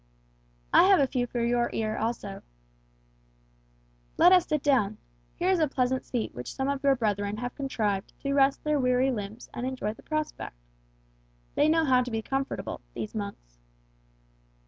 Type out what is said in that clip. "I have a few for your ear also." "Let us sit down. Here is a pleasant seat which some of your brethren contrived to rest their weary limbs and enjoy the prospect. They know how to be comfortable, these monks."